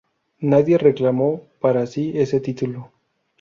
Nadie reclamó para sí este título.